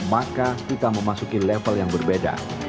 maka kita memasuki level yang berbeda